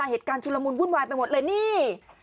เหตุการณ์ชุมลมุมวุ่นวายไปหมดเลยนี่